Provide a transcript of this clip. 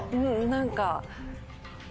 何か。